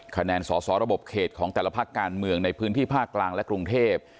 คะแนนสอสอระบบเขตของแต่ละพักการเมืองในพื้นที่ภาคกลางและกรุงเทพ